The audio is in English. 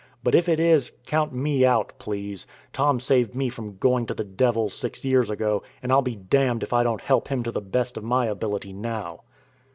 But if it is, count me out, please. Tom saved me from going to the devil, six years ago; and I'll be damned if I don't help him to the best of my ability now."